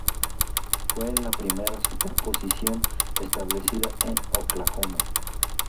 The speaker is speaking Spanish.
Fue la primera superposición establecida en Oklahoma.